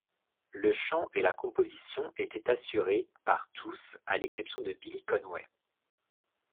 Le chant et la composition étaient assurés par tous à l'exception de Billy Conway.